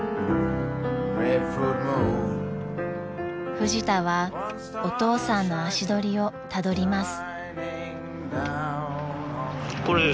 ［フジタはお父さんの足取りをたどります］